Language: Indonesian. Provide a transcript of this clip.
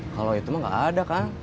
kalau itu mah gak ada kan